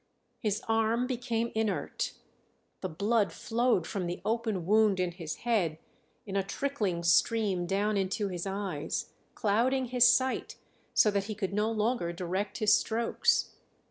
His arm became inert; the blood flowed from the open wound in his head in a trickling stream down into his eyes, clouding his sight, so that he could no longer direct his strokes.